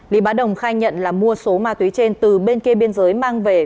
lý bá đồng khai nhận là mua số ma túy trên từ bên kia biên giới mang về